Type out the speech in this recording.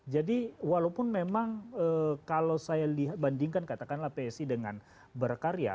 jadi walaupun memang kalau saya bandingkan katakanlah psi dengan berkarya